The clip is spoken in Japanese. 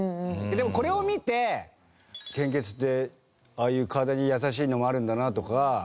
でもこれを見て献血ってああいう体に優しいのもあるんだなとか。